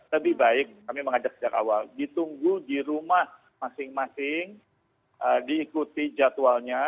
lebih baik kami mengajak sejak awal ditunggu di rumah masing masing diikuti jadwalnya